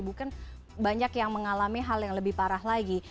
bukan banyak yang mengalami hal yang lebih parah lagi